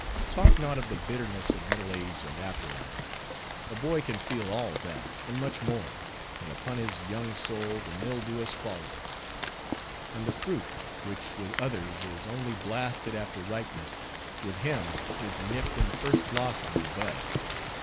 Talk not of the bitterness of middle age and after life; a boy can feel all that, and much more, when upon his young soul the mildew has fallen; and the fruit, which with others is only blasted after ripeness, with him is nipped in the first blossom and bud.